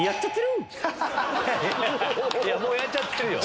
もうやっちゃってるよ。